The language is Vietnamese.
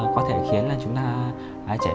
có thể khiến là chúng ta chảy